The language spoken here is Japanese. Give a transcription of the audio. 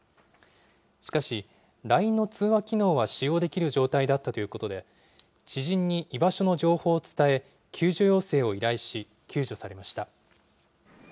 しかしＬＩＮＥの通話機能は使用できる状態だったということで、知人に居場所の情報を伝え、救助要請を依頼し、救助されました。